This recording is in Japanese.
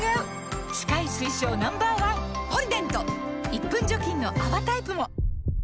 １分除菌の泡タイプも！